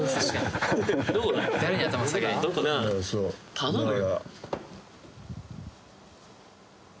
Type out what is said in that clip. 頼むよ。